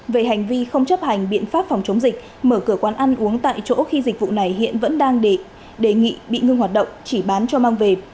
về hành vi không chấp hành biện pháp phòng chống dịch mở cửa quán ăn uống tại chỗ khi dịch vụ này hiện vẫn đang đề nghị bị ngưng hoạt động chỉ bán cho mang về